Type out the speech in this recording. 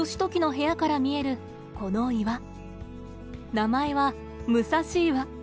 名前は武蔵岩。